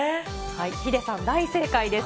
ヒデさん、大正解です。